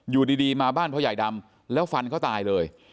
อยู่ดีมาบ้านพ่อใหญ่ดำแล้วฟันเขาตายเลย